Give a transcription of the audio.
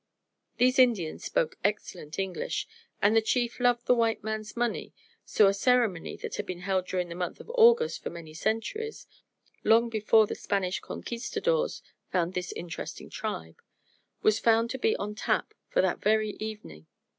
These Indians spoke excellent English and the chief loved the white man's money, so a ceremony that has been held during the month of August for many centuries long before the Spanish conquistadors found this interesting tribe was found to be on tap for that very evening.